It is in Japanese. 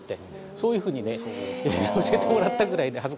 そういうふうにね教えてもらったぐらいで恥ずかしいんですけど。